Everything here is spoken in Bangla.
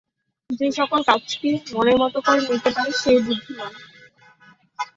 যে সকল কাজকেই মনের মত করে নিতে পারে, সে-ই বুদ্ধিমান।